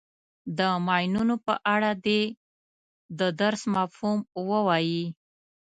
د ماینونو په اړه دې د درس مفهوم ووایي.